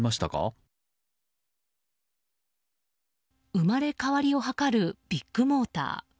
生まれ変わりを図るビッグモーター。